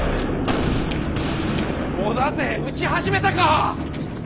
織田勢撃ち始めたか！